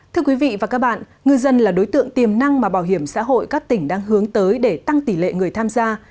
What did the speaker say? thưa quý vị và các bạn ngư dân là đối tượng tiềm năng mà bảo hiểm xã hội các tỉnh đang hướng tới để tăng tỷ lệ người tham gia